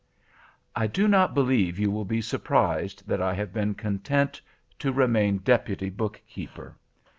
"I do not believe you will be surprised that I have been content to remain deputy bookkeeper.